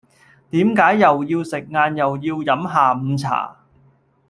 點解又要食晏又要飲下午茶